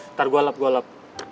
ntar gua lap gua lap